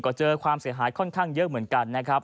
ก็เจอความเสียหายค่อนข้างเยอะเหมือนกันนะครับ